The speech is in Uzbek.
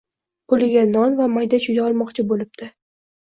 Puliga non va mayda-chuyda olmoqchi boʻlibdi.